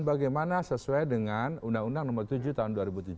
bagaimana sesuai dengan undang undang nomor tujuh tahun dua ribu tujuh belas